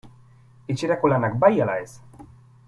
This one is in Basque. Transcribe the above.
Etxerako lanak bai ala ez?